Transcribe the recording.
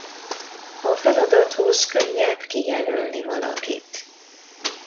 A feladathoz könnyebb kijelölni valakit.